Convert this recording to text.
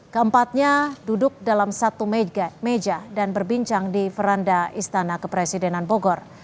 keempatnya duduk dalam satu meja dan berbincang di veranda istana kepresidenan bogor